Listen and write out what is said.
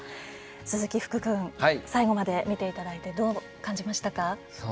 鈴木福君最後まで見ていただいてどう感じましたか？